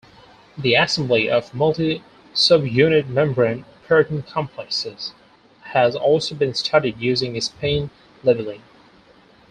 The assembly of multi-subunit membrane protein complexes has also been studied using spin labeling.